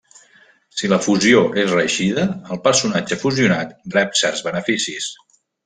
Si la fusió és reeixida, el personatge fusionat rep certs beneficis.